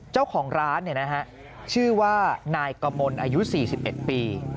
เจ้าของร้านเนี่ยนะฮะชื่อว่านายกำมลอายุ๔๑ปี